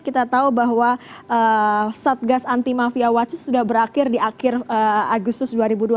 kita tahu bahwa satgas anti mafia wasit sudah berakhir di akhir agustus dua ribu dua puluh